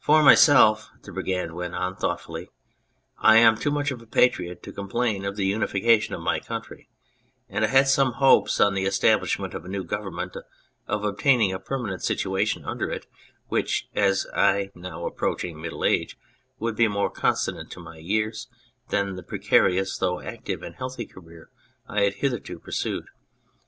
Por myself," the Brigand went on thought fully, " I am too much of a patriot to complain of the unification of my country, and I had some hopes on the establishment of a new government of obtain ing a permanent situation under it which, as I was now approaching middle age, would be more conso nant to my years than the precarious though active and healthy career I had hitherto pursued.